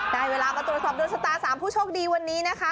ได้เวลามาตรวจสอบโดนชะตา๓ผู้โชคดีวันนี้นะคะ